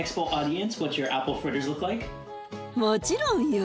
もちろんよ。